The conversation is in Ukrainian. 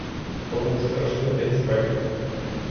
То був страшний день спеки.